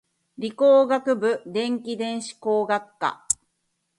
理工学部電気電子工学科